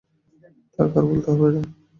থাক, আর বলতে হবে না।